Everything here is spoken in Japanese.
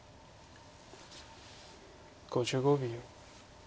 ５５秒。